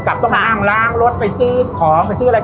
ต้องอ้างล้างรถไปซื้อของไปซื้ออะไร